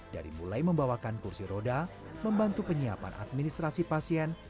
dari mulai membawakan kursi roda membantu penyiapan administrasi pasien